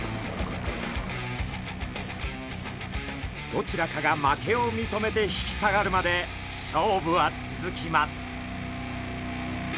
どちらかが負けを認めて引き下がるまで勝負は続きます。